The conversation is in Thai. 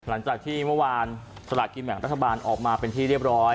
หลังจากที่เมื่อวานสลากกินแบ่งรัฐบาลออกมาเป็นที่เรียบร้อย